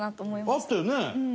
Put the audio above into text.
あったよね？